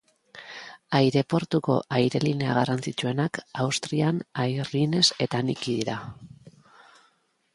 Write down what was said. Aireportuko airelinea garrantzitsuenak Austrian Airlines eta Niki dira.